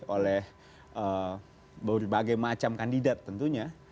oleh berbagai macam kandidat tentunya